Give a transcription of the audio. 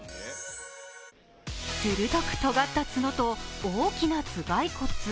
鋭くとがった角と大きな頭蓋骨。